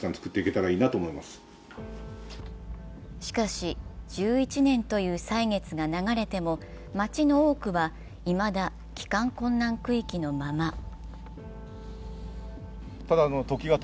しかし、１１年という歳月が流れても、町の多くはいまだ帰還困難区域のまま。